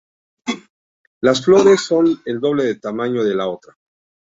Las flores son el doble del tamaño de la otra.